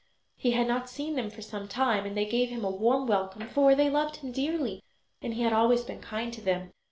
He had not seen them for some time, and they gave him a warm welcome, for they loved him dearly and he had always been kind to them.